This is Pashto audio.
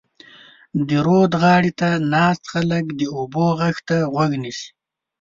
د رود غاړې ته ناست خلک د اوبو غږ ته غوږ نیسي.